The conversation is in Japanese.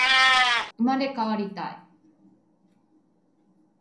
生まれ変わりたい